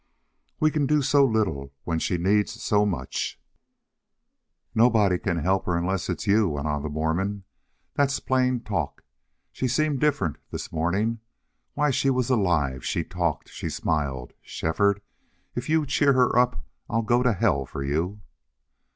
"We can do so little, when she needs so much." "Nobody can help her, unless it's you," went on the Mormon. "That's plain talk. She seemed different this morning. Why, she was alive she talked she smiled.... Shefford, if you cheer her up I'll go to hell for you!"